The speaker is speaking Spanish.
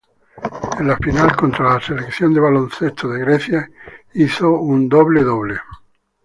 En la final contra la Selección de baloncesto de Grecia hizo un doble-doble.